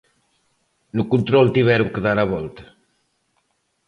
No control tiveron que dar a volta.